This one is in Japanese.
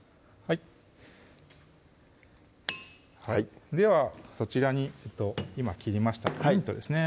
はいではそちらに今切りましたミントですね